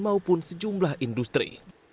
maupun sejumlah industri